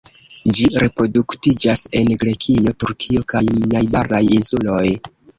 Ĝi reproduktiĝas en Grekio, Turkio kaj najbaraj insuloj.